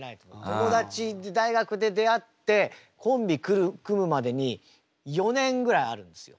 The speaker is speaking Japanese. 友達大学で出会ってコンビ組むまでに４年ぐらいあるんですよ。